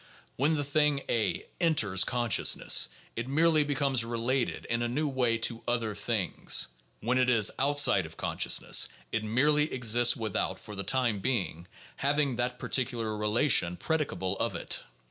When the thing A "enters" consciousness, it merely be comes related in a new way to other things; when it is "outside of" consciousness, it merely exists without, for the time being, having that particular relation predicable of it.